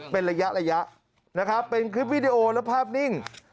เป็นระยะระยะนะครับเป็นคลิปวิดีโอและภาพนิ่ง